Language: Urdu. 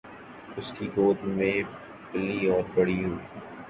اسی کی گود میں پلی اور بڑی ہوئی۔